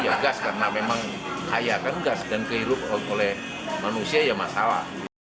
ya gas karena memang kaya kan gas dan kehirup oleh manusia ya masalah